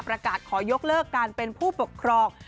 ประกาศขอยกเลิกการเป็นผู้ปกครอง